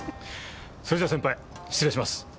それじゃ先輩失礼します。